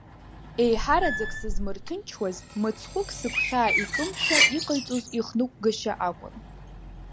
Еиҳараӡак сызмырҭынчуаз, мыцхәык сыгәхьаа икымшәа иҟаиҵоз ихныҟәгашьа акәын.